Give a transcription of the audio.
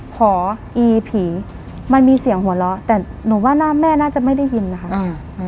พออีผีมันมีเสียงหัวเราะแต่หนูว่าหน้าแม่น่าจะไม่ได้ยินนะคะอืม